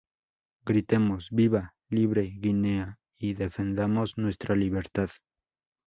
¡Gritemos Viva, Libre Guinea, y defendamos nuestra Libertad.